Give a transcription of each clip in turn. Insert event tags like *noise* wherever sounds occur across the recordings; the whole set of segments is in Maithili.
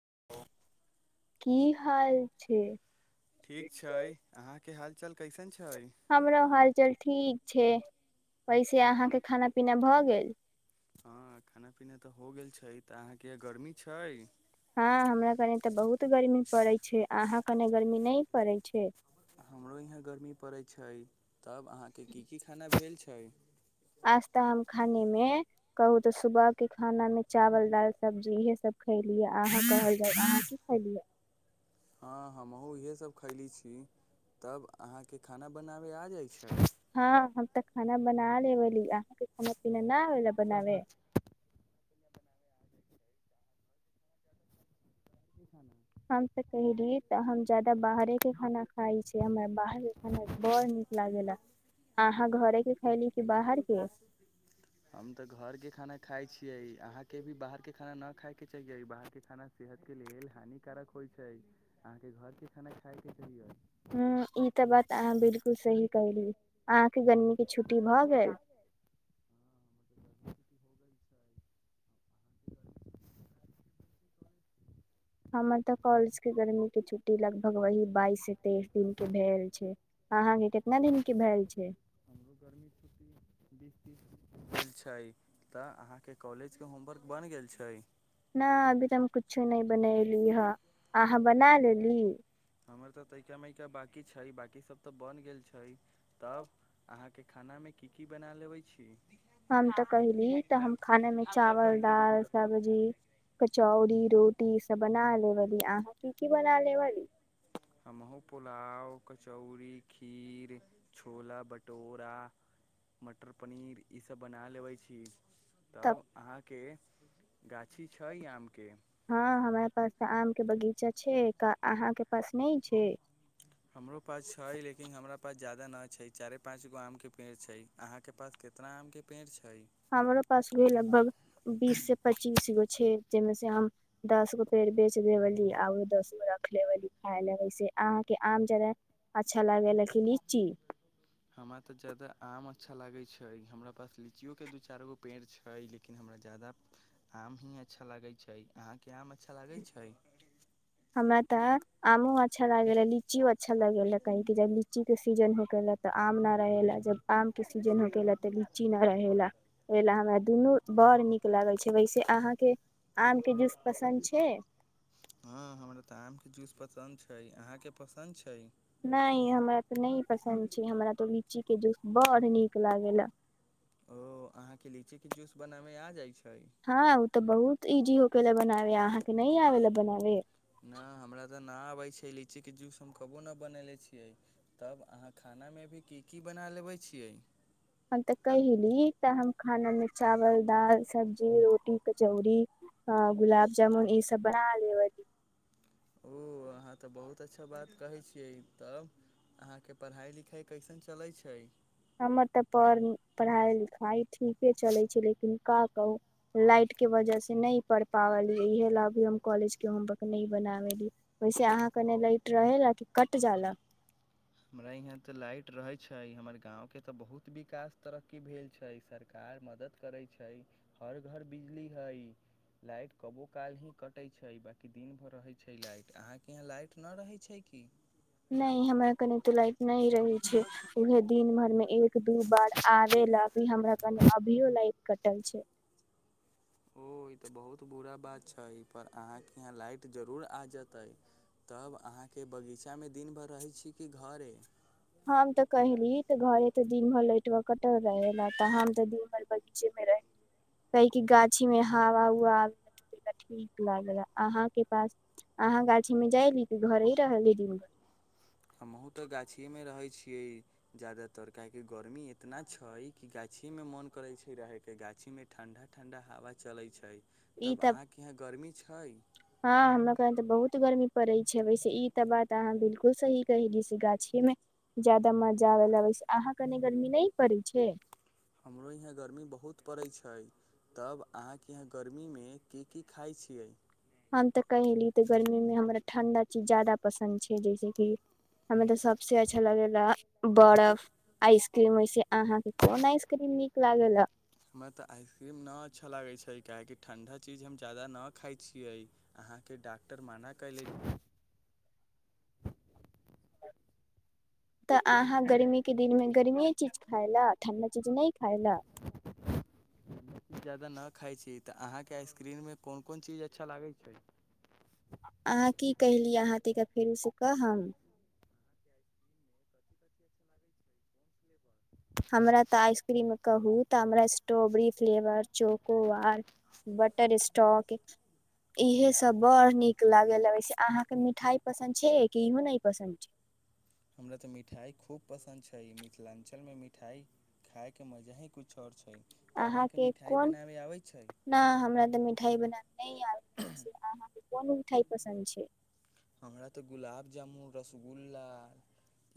*inaudible* की हाल छै ठीक छै अहाँ के हाल चाल कैसन छै हमरो हाल चाल ठीक छै वैसे अहाँके खाना पीना भऽ गेल हँ खाना पीना तऽ हो गेल छै तऽ अहाँके गर्मी छै हँ हमरा क ने तऽ बहुत गर्मी पड़ै छै अहाँ कनि गर्मी नहि पड़ै छै हमरो यहाँ गर्मी पड़ै छै तब अहाँके की की खाना भेल छै छै आज त' हम खानेमे कहू तऽ सुबहके खानामे चावल दालि सब्जी इएहसभ खयलियै अहाँ कहल जाय अहाँ की खयलि ह हँ हम अहु इएहे सब खैली छी तब अहाँके खाना बनाबै आ जाइ छै हँ हम तऽ खाना बना लेबली अहाँके खाना पीना न आबे ल बनाबे हम तऽ कहैलिय तऽ हम जाादा बाहरेके खाना खाइ छी हमरा बाहरके खाना बड़ नीक लागेला अहाँ घरेके खयली कि बाहरके हम तऽ घरके खाना खाइ छियै अहाँके भी बाहरके खाना न खायके चाहियै बाहरके खाना सेहतके लेल हानिकारक होइत छै अहाँके घरके खाना खायके चाहियै ह्म्म ई तऽ बात अहाँ बिलकुल सही कहली अहाँके गरमीके छुट्टी भऽ गेल हमर तऽ कॉलेज के गर्मी के छुट्टी लगभग वही बाइस से तेइस दिन के भेल छै ह ह हेते केतना दिनक के भेल छै भेल छै तऽ अहाँके कॉलेजके होमवर्क बनि गेल छै न अभी तऽ हम कुछो नहि बनेली ह अहाँ बना लेली हमर त तइका मइका बाकी छै बाकी सब तऽ बन गेल छै तब अहाँके खानामे की की बना लेबै छीयै हम तऽ कहिली तऽ हम खाने मे चावल दाल सब्जी कचौड़ी रोटी ईसभ बना लेबली अहाँ की की बना लेबली हमहुं पुलाव कचौड़ी खीर छोला भटूरा मटर पनीर ईसभ बना लेबै छी तब अहाँके गाछी छै य आम के हँ हमरा पास तऽ आम के बगीचा छै अहाँके पास नहि छै हमरो पास छै लेकिन हमरा पास जादा न छै चारे पाँंच गो आम के पेड़ छै आहा के पास कितना आम के पेड़ छै हमरो पास उहे लगभग बीस से पच्चीस गो छै जाहिमे से हम दस गो पेड़ बेच देेबी आ ओ दस गो रख लेबी खााय लेस अहाँके आम जादा अच्छा लागे लेक लीची हमरा तऽ ज्यादा आम अच्छा लागैत छै हमरा पास लीचियओ के दू चारि गो पेड़ छै लेकिन हमरा ज्यादा आम ही अच्छा लागैत छै अहाँके आम अच्छा लागैत छै हमरा तऽ आमो अच्छा लागे रहे लीचियो अच्छा लगेैला काहे कि जब लीचीके सीजन हो गेलला तऽ आम नहि रहेला जब आमके सीजन हो गेललाा तऽ लीची नहि रहेला रहला हमरा दुनू बड़ नीक लागै छै वैसे अहाँके आमके जूस पसन्द छै हँ हमरा तऽ आमके जूस पसन्द छै अहाँके पसन्द छै नहि हमरा तऽ नहि पसन्द छै हमरा तऽ लीचीके जूस बड़ नीक लागेला ओ अहाँं के लीची के जूस बनाबय आ जाय छै हँ ओ तऽ बहुत इजी होके लए बनाबे अहाँके नहि आबे ल बनावे ना हमरा तऽ ना आबैत छै लीचीके जूस हम कबो नहि बननेे छियै तब अहाँ खानामे भी की की बना लेबै छियै हम तऽ कहिली तऽ हम खानामे चावल दाल सब्जी रोटी कचौड़ी गुलाब जामुन ईसभ बना लेबै ओ अहाँ तऽ बहुत अच्छा बात कहै छियै तब अहाँके पढ़ाइ लिखाइ कैसन चलै छै हमर तऽ पढ़ पढ़ाइ लिखाइ ठीके चलै छै लेकिन का कहू लाइटके वजहसँ नहि पढ़ि पावल इह लए अभी हम कॉलेजके होमवर्क नहि बनाबेली वैसे अहाँके ने लाइट रहे ला कि कट जाला हमरा यहाँ तऽ लाइट रहैत छै हमर गाँवके तऽ बहुत विकास तरक्की भेल छै सरकार मदद करैत छै हर घर बिजली हइ लाइट कबो काल ही कटैत छै बाकी दिन भर रहैत छै लाइट अहाँके यहाँ लाइट नहि रहैत छै की नहि हमरा कनि तऽ लाय नहि रहे छै उहे दिन भर मे एक दू बार आबे ल अभी हमरा कने अभियो लाइट कटल छै ओ ई तऽ बहुत बुरा बात छै ई पर अहाँके यहाँ लाइट जरूर आ जेतै तब अहाँके बगीचामे दिन भर रहैत छी कि घरे हम तऽ कहली तऽ घरे तऽ दिन भर लइटबा कटल रहेला त हम तऽ दिन भर बगीचे मे रह काहे कि गाछी मे हवा उवा आा ठीक लागल अहाँके पास अहाँ गाछीमे जायली त घरे ही रहली दिन भर हमहुँ तऽ गाछिए मे रहैत छी कि जादातर काहेकि गरमी इतना छै कि गाछीेमे मोन करै छै रहैके गाछीमे ठण्डा ठण्डा हवा चलै छै ई तब त अहाँके यहाँ गर्मी छै हँ हमरा कह तऽ बहुत बहुत गर्मी पड़ै छै वैसे ई तऽ बात अहाँ बिलकुल सही कहिलैसे गाछिेमे ज्याददा मजा आबै ल वैसे अहाँ कनि गर्मी नहि पड़ै छै हमरो यहाँ गर्मी बहुत पड़ैत छै तब अहाँके यहाँ गर्मीमे की की खाइ छियै हम तऽ कहिनी तऽ गर्मीमे हमरा ठण्डा चीज ज्यादा पसन्द छै जैसेकि हमरा तऽ सभसे अच्छा लगेला बरफ आइसक्रीम ऐसे अहाँके कोन आइसक्रीम नीक लागेला हमरा तऽ आइसक्रीम नहि अच्छा लागै छै काहेकि ठण्डा चीज हम जायदा नहि खाइ छियै अहाँके डॉक्टर मना कयले तऽ अहाँ गर्मीके दिनमे गर्मीए चीज खााय लए ठण्डा चीज नहि खााय लए ज्यादा नहि खाइ छी तऽ अहाँके आइस्क्रीममे कोन कोन चीज अच्छा लागैत छै अहाँ की कहलीै अहाँ तरा फेरोसँ कहब हमरा तऽ आइसक्रीम कहू तऽ हमरा strawberry flavour chocobar butterscotch इहे सब बड़ नीक लागल वइसे अहाँके मिठाइ पसन्द छै कि इहो नहि पसन्द छै हमरा तऽ मिठाइ खूब पसन्द छै मिथिलाञ्चलमे मिठाइ खायके मजा ही कछु आओर छै तऽ अहाँ अहाँके के मिठाइ कोन बनाबे आबै छै न हमरा तऽ मिठाई बनाब नै आबै छै अहाँके कोन मिठाइ पसन्द छै हमरा तऽ गुलाब जामुन रसगुल्ला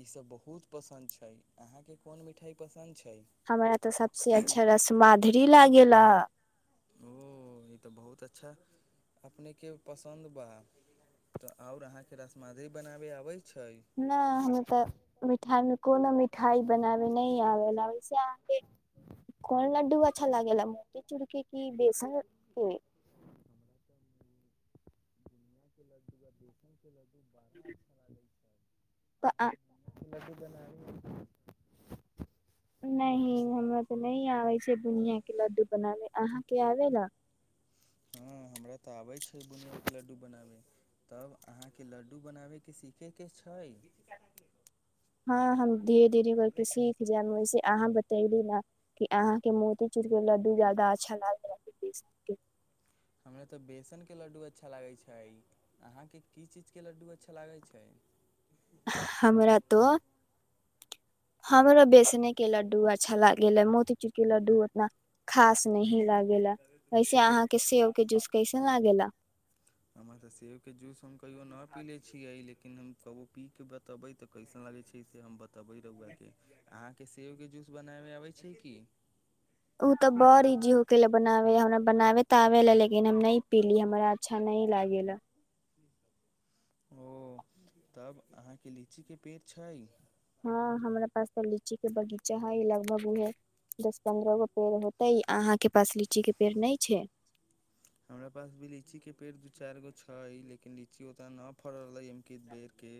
ईसभ बहुत पसन्द छै अहाँके कोन मिठाइ पसन्द छै हमरा तऽ सबसे अच्छा रसमा धुरी लागगेला ओ ई तऽ बहुत अच्छा अपनेके पसन्द बा तऽ और अहाँके रसमलाई बनाबे आबै छै नहि हमत तऽ मिठाइमे कोनो मिठाई बनाबे नहि आबेला ओइसे अहांके कोन लड्डू अच्छा लागेला मोतीचूड़के की बेसन के बुनियाके *inaudible* ह अच्छा *unintelligible* लागै छै त आ बुनियाके लड्डू बनाबै नहि हमरा तऽ नहि आबै छै बुनियाके लड्डू बनाबे अहाँके आबे ल हँ हमरा त' आबै छै बुनियाके लड्डू बनाबै तब अहाँके लड्डू बनाबैके सीखैके छै छै हँ हम धीरे धीरे करके सीख जायब वैसे अहाँ बतैबै ने कि अहाँके मोती चूरके लड्डू जादा अच्छा लागय अय कि बेसन के हमरा तऽ बेसनके लड्डू अच्छा लागै छै अहाँके की चीज के लड्डू अच्छा लागै छै हमरा तऽ हमरो बेसनेके लड्डू अच्छा लागै ह मोतीचूरके लड्डू उतना खास नहीं लागेला वैसे अहाँके सेब के जूस कैसन लागेला हमर तऽ सेब के जूस हम कहियो न पी ले छीयै लेक इन हम कबो पीके बतेबे तऽ कैसन लागे छै से ब तबी रुउआके अहाँके सेबके जूस बनायमबे अबै छै की ओ तऽ बड़ इजी हो गेललए बनाबै हमरा बनाबै तऽ आबै लए लेकिन हम नहि पीली हमरा अच्छा नहि लागेला ओ तब अहाँके लीची के पेड़ छै हँ हमरा पास तऽ लीचीके बगीचा हइ लगभग उहो दस पन्द्रह गो पेड़ होतै अहाँके पास लीचीके पेड़ नहि छै हमरा पास भी लीची के पेड़ दू चारि गो छै लेकिन लीची उताना फड़ले बेर के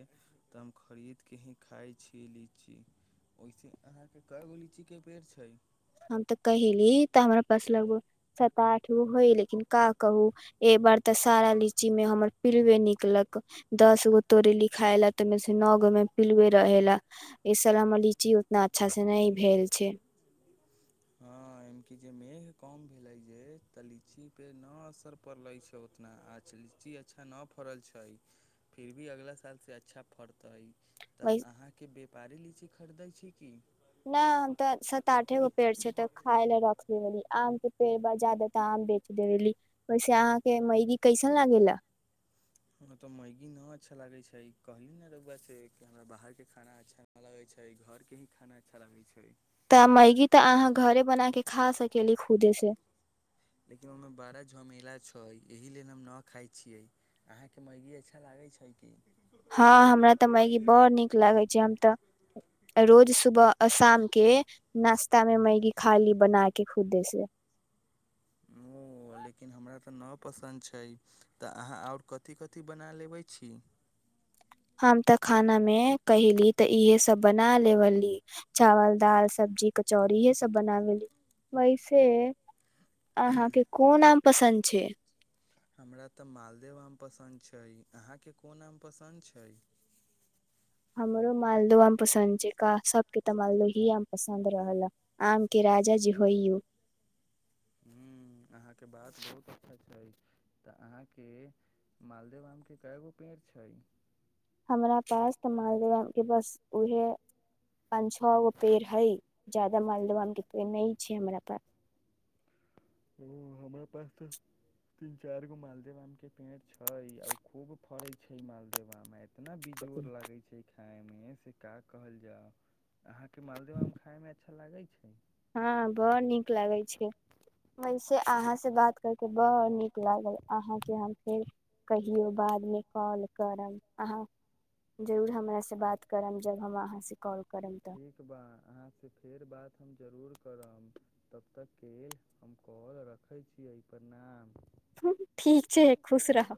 तऽ हम खरीद के ही खाय छी लीची ओहिसे अहाँ के क गो लीची के पेड़ छै हम तऽ कहेली तऽ हमरा पास लगभग सात आठ गो होय लेकिन का कहू एक बार तऽ सारा लीचीमे हमर पिलुए निकलक दस गो तोरेलि खााय लए तऽ ओहिमे से नओ गोमे पिलुे रहे लए एहि साल हमर लीची उतना अच्छासँ नहि भेल छै हँ एमकि जे मेघ कम भेले जे तऽ लीची पे न असर पड़ले छै उतना आछा लीची अच्छा न फड़ल छै फिर भी अगला साल से अच्छा फड़तै तऽ अहाँके व्यापारी लीची खरीदै छी की नहि हम तऽ सात आठे गो पेड़ छै तऽ खाय लए रख देबी आमके पेड़ ब जादा तऽ आम बेच देबेली ओहिसे अहाँके मैगी कैसन लागेला हँ तऽ मैगी नहि अच्छा लगैत छै कहली ने रौआ से कि हमरा बाहरके खाना अच्छा नहि लगैत छै घरके ही खाना अच्छा लगैत छै तऽ मैगी तऽ अहाँ घरे बना के खा सक लेकिन ओहिमे बारा झमेला छै त एहि लेल हम न खाइ छियै अहाँके मैगी अच्छा लागै छै कि हँ हमरा तऽ मैगी बड़ नीक लागैत छै हम तऽ रोज सुबह अ शाम के नाश्ता मे मैगी खाली बना के खुदे से ओ लेकिन हमरा तऽ न पसन्द छै तऽ अहाँ आओर कथी कथि बना लेबै छी हम तऽ खाना मे कहिली तऽ इहे सब बना लेवली चावल दाल सब्जी कचौड़ी इहे सब बना लेली वैसे अहाँके कोन आम पसन्द छै हमरा तऽ मालदेव आम पसन्द छै अहाँके कोन आम पसन्द छै हमरो मालदोबा आम पसन्द छै का सबके तऽ मालदही आम पसन्द रहल आम के राजा ज होइ उ ह्म अहाँके बात बहुत अच्छा छै तऽ अहाँके मालदे आम के कैगो पेड़ छै हमरा पास तऽ मालदह आम बस उहे पाच छओ गो पेड़ है जादा मालदवा आम के पेड़ नहि छै हमरा पास ओ हमरा पास तऽ तीन चार गो मालदेव आम के पेड़ छै आ खूब फड़े छै मालदेवा मे इतना बेजोड़ लगे छै खाय मे मे से का कहल जाय अहाँ के मालदेव आम खायमे अच्छा लागै छै हँ बड़ नीक लागै छै वैसे अहाँसँ बात करि कऽ बड़ नीक लागल अहाँके हम फेर कहियौ बादमे कॉल करब अहाँ जरूर हमरासँ बात करब जब हम अहाँसँ कॉल करब तऽ ठीक बा अहाँ से फेर बात हम जरूर करब तब तकके हम कॉल रखैत छी एहि परणाम ठीक छै खुश रह